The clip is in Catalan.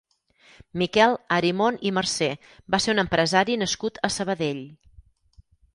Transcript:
Miquel Arimon i Marcé va ser un empresari nascut a Sabadell.